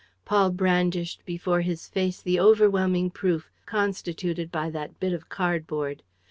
Paul brandished before his face the overwhelming proof constituted by that bit of cardboard.